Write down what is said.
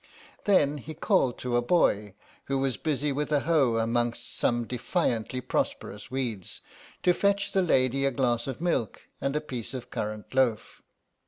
Then he called to a boy who was busy with a hoe among some defiantly prosperous weeds, to fetch the lady a glass of milk and a piece of currant loaf.